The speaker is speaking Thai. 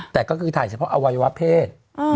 แต่ก็คือถ่ายเฉพาะอวัยวะเพศ